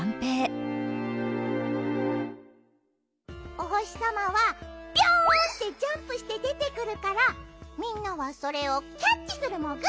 おほしさまはビョンってジャンプしてでてくるからみんなはそれをキャッチするモグ。